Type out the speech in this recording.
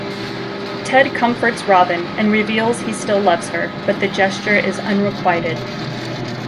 Ted comforts Robin and reveals he still loves her, but the gesture is unrequited.